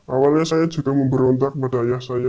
awalnya saya juga memberontak kepada ayah saya